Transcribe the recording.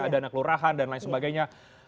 ada anak lurahan dan lain sebagainya